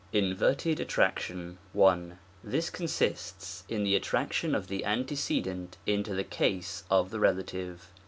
INVERTED ATTRACTION. 1. This consists in the attraction of the antecedent into the case of the relative.